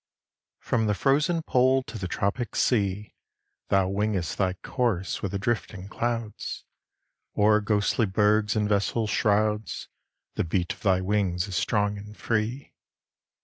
From the frozen Pole to the Tropic sea Thou wingest thy course with the drifting clouds; O'er ghostly bergs and vessels' shrouds The beat of thy wings is strong and free.